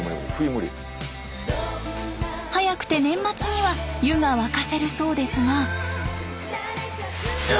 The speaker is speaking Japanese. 早くて年末には湯が沸かせるそうですが。